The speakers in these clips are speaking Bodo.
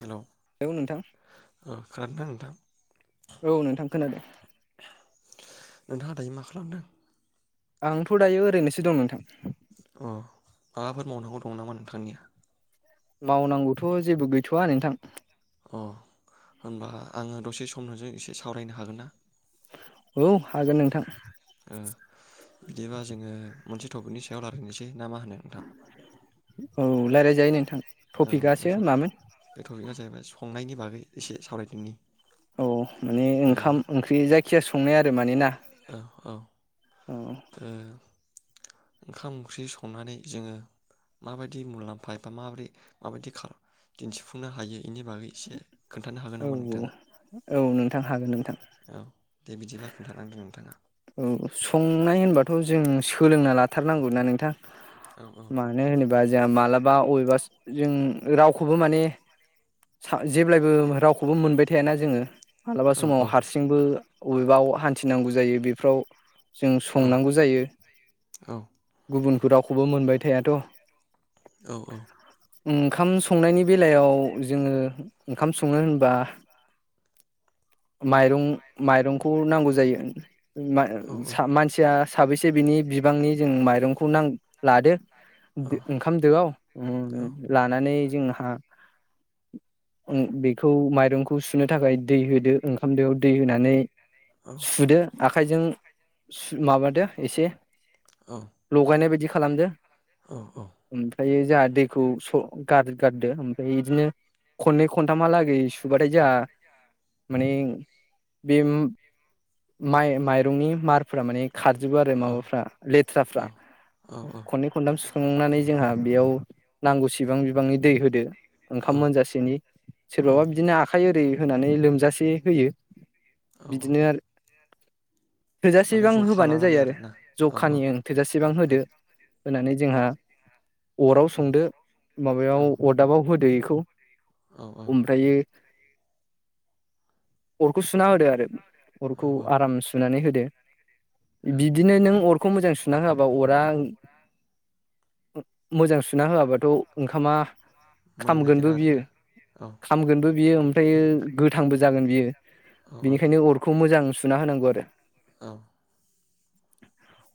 हेल' ओ हेलौ नोंथां खोनादों ना नोंथां। औ नोंथां खोनादों। नोंथाङा दायो मा खालामदों? आंथ' दायो ओरैनोसो दं नोंथां। अ' माबाफोर मावनांगौ दं नामा नोंथांनिया? मावनांगौथ' जेबो गैथ'वा नोंथां। अ' होनबा आङो दसे समजों एसे सावरायनो हागोन ना? औ हागोन नोंथां। ओ बिदिबा जोङो मोनसे टपिकनि सायाव रायज्लायनोसै। औ रायजलाय जायो नोंथां औ बे टपिकआसो मामोन टपिक बे टपिका जाहैबाय संनायनि बागै एसे सावरायदोनि औ माने ओ ओंखाम ओंख्रि जायखिजाया संनाय आरो माने ना। औ औ औ ओ ओंखाम ओंख्रि संनानै जोङो माबायदि मुलाम्फा एबा माबोरै माबायदि दिन्थिफुंनो हायो बेनि बागै एसे खोन्थानो हागोन औ नामा नोंथाङा औ नोंथां हागोन नोंथां औ दे बिदिबा खोन्थालांदो नोंथाङा। औ संनाय होनबाथ' जों सोलोंना लाथारनांगौना नोंथां। औ औ मानो होनोबा जोंहा मालाबा अयबास जों रावखौबो माने सा जेब्लायबो रावखौबो मोनबाय थायाना जोङो माइ माइरंनि मारखौ मालाबा समाव हारसिंबो अबेबा हान्थिनांगौ जायो बे फ्राव जों संनांगौ जायो। गुबुन रावखौबो मोनबाय थायाथ' औ औ ओंखाम संनायनि बेलायाव जोङो ओंखाम संनो होनबा माइरं माइरंखौ नांगौ जायो। मा सा मानसिया साबैसे बिनि बिबांनि जों माइरंखौ नां लादो माने ओंखाम दोआव ओम ओ लानानै जोंहा ओम बेखौ माइरंखौ सुनो थाखाय दै होदो ओंखाम दोयाव दै होनानै सुदो आखाइजों सु माबादो एसे लगायनाय बायदि खालामदो। औ औ ओमफ्रायो जोंहा दैखौ स गार-गारदो ओमफ्राय बिदिनो खननै खनथामहालागै सुबाथाय जोंहा माने बे माइ माइरंनि मारफोरा माने खारजोबो आरो खाथुम माबाफ्रा लेथ्राफ्रा आरो खननै खनथाम सु संनानै जोंहा बेयाव नांगौसिबां बिबानि दै होदो ओंखाम मोनजासेनि सोरबाबा एकसारफ्रा बिदिनो आखाइ ओरै होनानै लोमजासे होयो। बिदिनो आरो माने थोजासेबां जखा होबानो लानानै जायो आरो आरोना औ औ जखानि ओं थोजासेबां होदो। होनानै जोंहा अराव संदो। माबायाव अरदाबाव होदो खौ औ ओमफ्रायो अरखौ सुना होदो आरो। औ औ आराम सुनानै हो दो औ बिदिनो नों अर खौ मोजां सुना होआबा अरा मोजां सुना होआबाथ' ओंखामा मोननो खामगोनबो नागिरा बियो आरोना औ खामगोनबो बियो ओमफ्रायो गोथांबो जागोन बियो। औ औ बेनिखायनो अरखौ मोजां सुना होनांगौ आरो। औ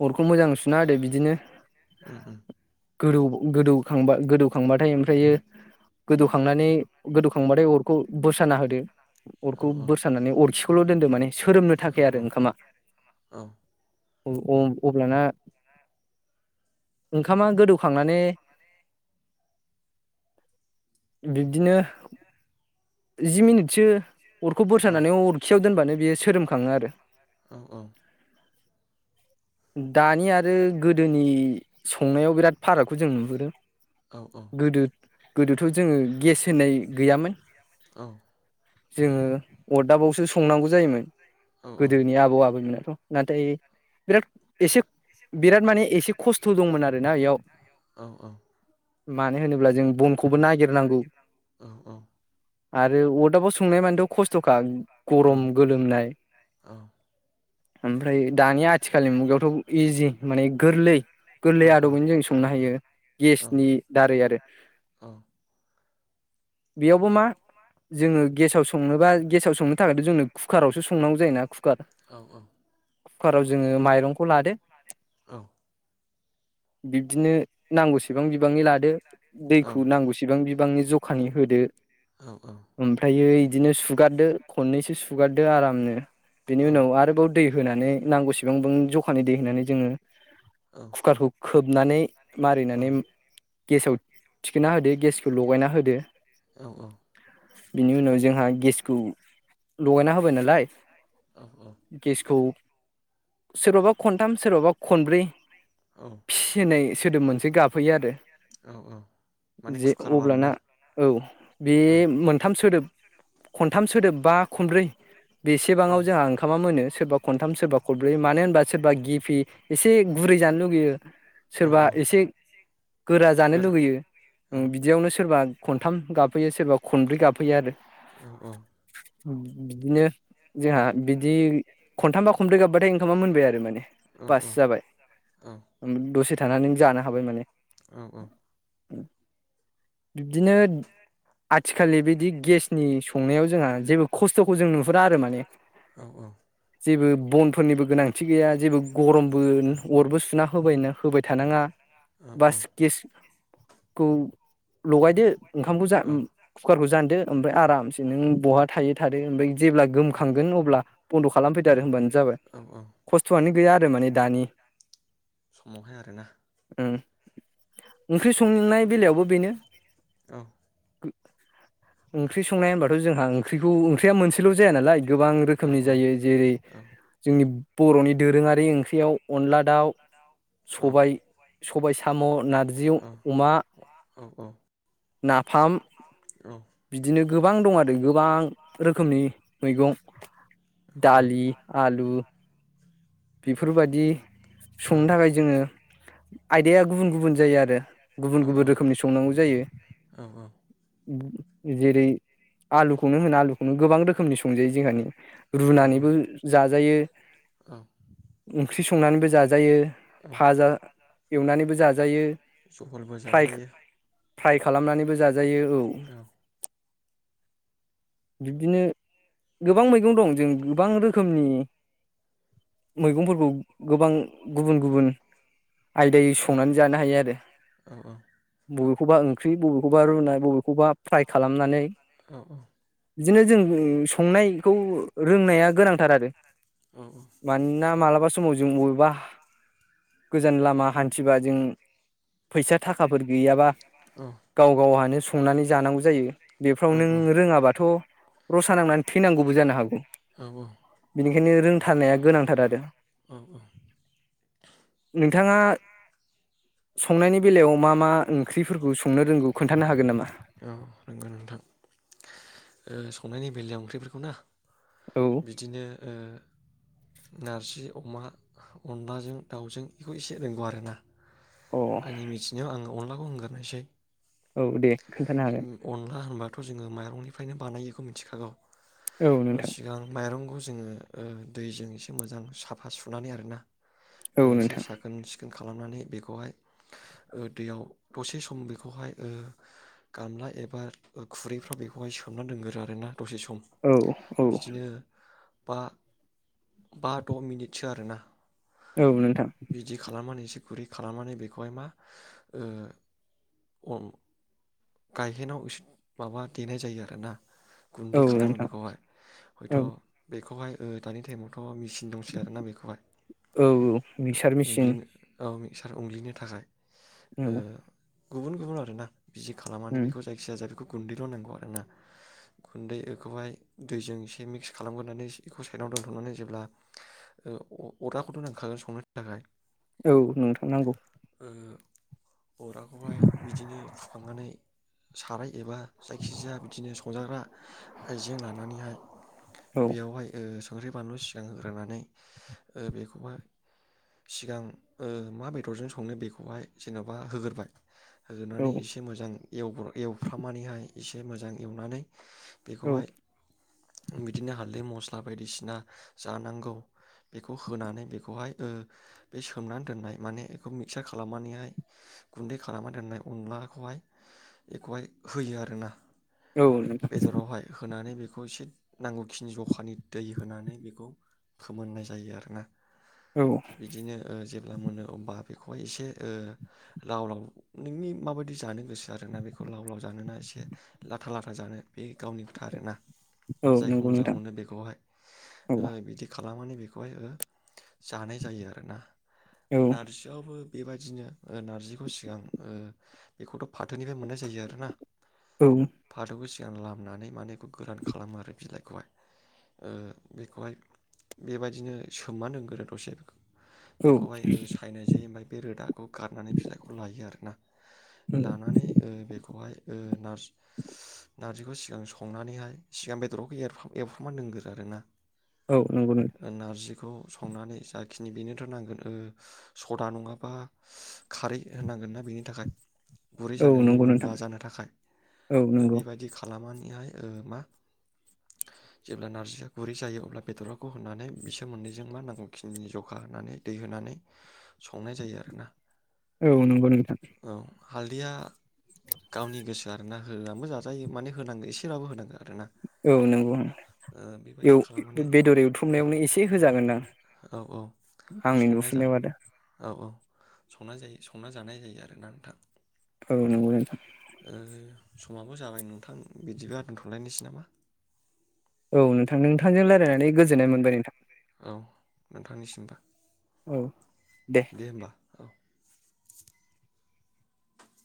अरखौ मोजां सुना होदो बिदिनो उम उम गोदौ-गोदौखांबा-गोदौखांबाथाय ओमफ्रायो गोदौखांनानै गोदौखांबाथाय अरखौ बोस्राना होदो। औ अरखौ औ बोरसानानै अरखि खौल' दोनदो माने सोरोम औ थाखाय औ आरो ओंखामा। औ अ अं अब्लाना ओंखामा गोदौखांनानै बिब्दिनो जि मिनिटसो अरखौ बुरसानानै अरखियाव दोनबानो बेयो सोरोम खाङो आरो औ औ दानि आरो गोदोनि संनायाव बिराद फारागखौ जों नुहुरो औ औ गोदो गोदोथ' जोङो गेस होनाय गैयामोन औ जोङो अरदाबावसो संनांगौ जायोमोन गोदोनि औ आबौ आबैमोना नाथाय बिराद एसे बिराद माने एसे खस्थ' दंमोन आरोना इयाव औ औ मानो होनोब्ला जों बनखौबो नागिरनांगौ औ औ आरो अरदाबाव संनाय मानेथ' खस्थ'खा औ गरम गोलोमनाय औ ओमफ्राय दानि आथिखालनि मुगायावथ' इजि माने गोरलै औ गोरलै आदबैनो जों संनो हायो गेसनि दारै आरो बेयावबो मा जोङो गेसाव संनोबा गेसाव संनो थाखायथ' जोंनो कुकारावसो संनांगौ जायोना खुकार औ औ कुकाराव जोङो माइरंखौ लादो औ बिब्दिनो नांगौसेबां बिबाङै लादो दैखौ नांगौसेबां बि बिबांनि जखानि होदो ओमफ्रायै बिदिनो सुगारदो खननैसो सुगारदो आरामनो बेनि उनाव आरोबाव दै होनानै नांगौसेबांबो जखानि दै होनानै जोङो खुकारखौ खोबनानै मारिनानै गेसाव थिखोना होदो गेसखौ लगायना होदो औ औ बिनि उनाव जोंहा गेसखौ लगायना होबाय नालाय गेसखौ सोरबाबा खनथाम सोरबाबा खनब्रै औ नै सोदोब मोनसे गाबफहैयो आरो औ औ माने जे कुकाराव अब्लाना आरोना औ बे औ मोनथाम सोदोब खनथाम सोदोब बा खनब्रै बे औ सेबाङाव जोंहा ओंखामा मोनो सोरबा खनथाम सोरबा खरब्रैयो मानो होनबा सोरबा गिफि एसे गुरै जानो लुगैयो। औ औ सोरबा एसे गोरा जानो लुगैयो औ उम बिदियावनो सोरबा खनथाम गाबफैयो सोरबा खनब्रै गाबफैयो आरो औ औ बिदिनो जोंहा बिदि खनथामबा खनब्रै गाबबाथाय ओंखामा मोनबाय आरो माने औ बास जाबाय उ दसे थानानै जानो हाबाय माने औ औ बिब्दिनो आथिखाललि बिदि गेसनि संनायाव जोंहा जेबो खस्थ'खौ जों नुहुरा आरो माने औ औ जेबो बनफोरनिबो गोनांथि गैया जेबो गरमबो अरबो सुना होबाय होबाय थानाङा। बास गेस खौ लगायदो ओंखामखौ जा औ कुकारखौ जानदो ओमफाय आरामसे नों बहा थायो थादो ओमफाय जेब्ला गोम खांगोन अब्ला बन्द' खालामफैदो आरो होनबानो जाबाय औ औ खस्थ'आनो गैया आरो माने दानि समावहाय आरोना? उम ओंख्रि संनाय बेलायावबो बेनो औ ओंख्रि संनाया होनबाथ' जोंहा ओंख्रिखौ ओंख्रिया मोनसेल' जाया नालाय गोबां औ रोखोमनि औ जायो जेरै औ जोंनि बर'नि दोरोङारि ओंख्रियाव अनला दाउ औ सबाय सबाय साम' नारजि औ अमा नाफाम औ बिदिनो गोबां दं आरो गोबां रोखोमनि मैगं दालि आलु बेफोरबादि संनो थाखाय जोङो आयदाया गुबुन गुबुन जायो आरो गुबुन औ गुबुन औ रोखोमनि संनांगौ जायो। औ जेरै आलुखौनो होनो आलुखौनो गोबां रोखोम रोखोमनि संजायो जोंहानि औ रुनानैबो जाजायो औ ओंख्रि संनानैबो जाजायो औ भाजा एवनानैबो जाजायो जहलबो फ्राय जाजायो फ्राय खालामनानैबो जादों जायो औ बिब्दिनो गोबां मैगं दं जों गोबां रोखोमनि मैगंफोरखौ गोबां गुबुन गुबुन आयदायै औ संनानै जानो हायो आरो औ औ बबेखौबा ओंख्रि बबेखौबा रुनाय बबेखौबा फ्राय खालामनानै औ औ बिदिनो जों संनायखौ रोंनाया गोनांथार आरो औ औ मानोना मालाबा समाव जों बबेबा गोजान लामा हान्थिबा जों फैसा थाखा गैयाबा गाव गाव हानो संनानै जानांगौ जायो। बेफ्राव नों रोङाबाथ' रसा नांनानै थैनांगौबो जानो हागौ औ औ बेनिखायनो रोंथारनाया गोनांथार आरो औ औ नोंथाङा संनायनि बेलायाव मा मा ओंख्रिफोरखौ संनो रोंगौ खोन्थानो हागोन नामा? औ रोंगोन नोंथां ओ संनायनि बेलायाव ओंख्रिफोरखौ ना औ बिदिनो ओ नारजि अमा अनलाजों दाउजों बेखौ एसे रोंगौ आरो ना अ आंनि मिथिनायाव आं अनलाखौ होनग्रोनोसै औ दे खोन्थानो हागोन थ' जोङो माइरंनिफ्रायनो बानायोखौ मिथिखागौ औ नोंथां सिगां माइरंखौ जोङो दैजों एसे मोजां साफा सुनानै आरोना औ एसे नोंथां साखोन सिखोन सिखोन खालामनानै बेखौहाय दैयाव दसे सम बेखौहाय ओ गामला एबा खुरैफ्राव बेखौहाय सोमना दोनगोरो आरोना दसे सम औ औ बिदिनो [unintelligible] बा द' मिनिटसो आरोना औ नोंथां बिदि खालामनानैसो गुरै खालामनानै बेखौहाय मा ओ अन गायहेनाव माबा देनाय जायो आरोना औ गुन्दै खालामो नोंथां बेखौहाय औ हयथ' बेखौहाय दानि टाइमावथ' औ मेचिन दंसै आरोना बेखौहाय औ मिक्सार मेचिन उग्लिनो औ मिक्सार उनग्लिनो थाखाय। औ ओ गुबुन गुबुन आरोना बिजि खालामनानै बेखौ जायखि जाया बेखौ गुन्दैल' नांगौ आरोना गुन्दै बेखौहाय दैजों एसे मिक्स खालामगोरनानै एखौ साइडआव दोनथ'नानै जेब्ला ओ अराखौथ' नांखागोन संनो थाखाय औ नोंथां नंगौ अराखौहाय बिदिनो फुखांनानै साराय एबा जायखिजाया बिदिनो संजाग्रा आइजें लानानैहाय औ बेयावहाय ओ संख्रि बानलु सिगां होग्रोनानै ओ बेखौहाय सिगां ओ मा बेदरजों संनो बेखौहाय जेन'बा होग्रोबाय औ होग्रोनानै उम एवफ्रामनानैहाय एसे मोजां एवनानै औ बेखौहाय बिदिनो हालदै मस्ला बा बायदिसिना जानांगौ बेखौ होनानै बेखौहाय ओ बे सोमनानै दोननाय माने बेखौ मिक्सार खालामनानैहाय गुन्दै खालामनानै दोननाय अनला खौहाय बेखौहाय होयो आरोना औ नोंथां बेदरावहाय होनानै बे बेखौ एसे नांगौखिनि जखानि दै होनानै बेखौ फोमोननाय जायो आरोना औ बिदिनो ओ जेब्ला मोनो अब्ला बेखौहाय एसे ओ लाव लाव नोंनि माबायदि जानो गोसो आरो ना बेखौ लाव लाव जानोना एसे लाथा लाथा जानो बे गावनि खोथा आरोना औ जायखौ नंगौ मोजां नोंथां मोनो बेखौहाय औ ओ बिदि खालामनानै बेखौहाय ओ जानाय जायो आरोना? नारजियावबो बेबायदिनो नारजिखौ सिगां ओ बेखौथ' फाथोनिफ्राय मोननाय जायो आरो ना औ फाथोखौ सि लामनानै माने बेखौ गोरान खालामो आरो बिलाइखौहाय ओ बेखौहाय बेबायदिनो सोमना दोनगोरो दसे बेखौहाय औ बेखौहाय ओ सायनाय जायो ओमफाय बे रोदाखौ गारनानै बिलाइखौ लायो आरोना। लानानै ओ बेखौहाय ओ नार्स नारजिखौ सिगां संनानैहाय सिगां बेदरखौ एव एवफ्रामना दोनग्रो आरो ना? औ नंगौ नों खौ संनानै जाखिनि बेनोथ' नांगोन ओ सदा नङाबा खारै होनांगोन ना। बिनि थाखाय बै औ जानो नंगौ नोंथां लिमोनला जानो थाखाय औ ओ नंगौ बेबायदि खालामोन बिनिफ्राय ओ मा जेब्ला नारजिया गुरै जायो अब्ला बेदरफोरखौ होनानै बिसोर मोननैजों मा नांगौखिनि जखा होनानै दै होनानै संनाय जायो आरोना। औ नंगौ नोंथां। औ हालदैया गावनि गोसो आरोना होनानैबो जाजायो माने होनांगौ एसेब्लाबो होनांगौ आरो ना। औ नंगौ एव खालामनानै बेदर एवथ्रमनायावनो एसे होजागोनदां औ औ आंनि संनाय जा नुफिनायाव आदा। औ औ संना जायो संना जानाय जायो आरोना नोंथां। औ नंगौ नोंथां। ओ समाबो जाबाय नोंथां बिदिबो दोनथलायनोसै नामा? औ नोंथां नोंथांजों लायरायनानै गोजोननाय मोनबाय नोंथां। औ नोंथांनिसिम बो। औ। दे ओमबा।